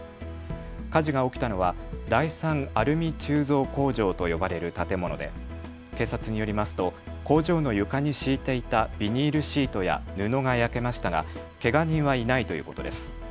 火事が起きたのは第３アルミ鋳造工場と呼ばれる建物で警察によりますと工場の床に敷いていたビニールシートや布が焼けましたが、けが人はいないということです。